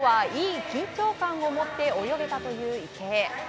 今日はいい緊張感を持って泳げたという池江。